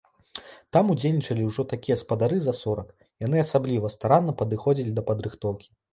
Там удзельнічалі ўжо такія спадары за сорак, яны асабліва старанна падыходзілі да падрыхтоўкі.